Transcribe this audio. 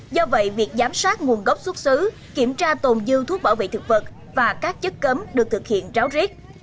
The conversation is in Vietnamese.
do vậy việc giám sát nguồn gốc xuất xứ kiểm tra tồn dư thuốc bảo vệ thực vật và các chất cấm được thực hiện ráo riết